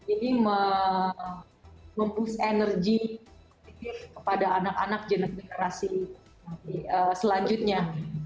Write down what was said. ini mempush energi kepada anak anak generasi selanjutnya